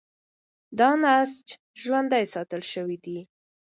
دا نسج ژوندي ساتل شوی دی.